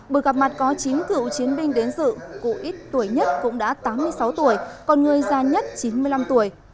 bữa gặp mặt có chín cựu chiến binh đến dự cựu ít tuổi nhất cũng đã tám mươi sáu tuổi còn người già nhất chín mươi năm tuổi